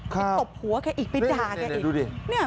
ตบหัวแกอีกไปด่าแกอีก